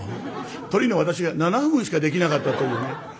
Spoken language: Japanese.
トリの私が７分しかできなかったというね。